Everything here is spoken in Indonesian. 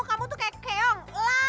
kamu tuh kayak keong